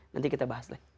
nanti kita bahas lah